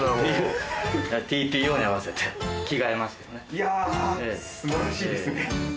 いやぁすばらしいですね。